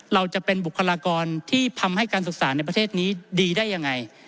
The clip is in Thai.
เราจะเป็นบุคลากรที่ทำให้การศึกษาในประเทศนี้ดีได้ยังไง